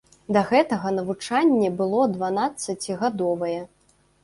Да гэтага навучанне было дванаццацігадовае.